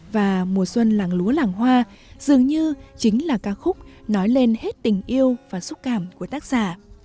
và mùa xuân làng lúa làng hoa dường như chính là ca khúc nói lên hết tình yêu và xúc cảm của tác giả